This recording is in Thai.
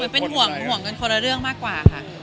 เป็นห่วงห่วงกันคนละเรื่องมากกว่าค่ะ